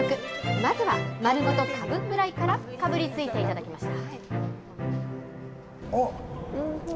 まずは丸ごとかぶフライからかぶりついていただきました。